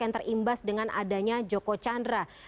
yang terimbas dengan adanya joko chandra